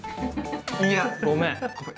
いや。ごめん。